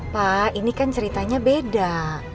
pak ini kan ceritanya beda